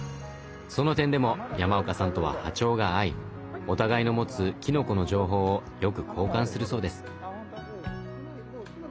その点でも山岡さんとは波長が合いお互いの持つきのこの情報をよく交換するそうです。